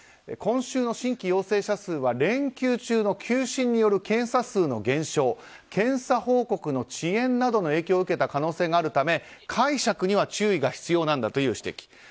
今週の新規陽性者数は連休中の休診による検査数の減少検査・報告の遅延などの影響を受けた可能性があるため解釈には注意が必要という指摘。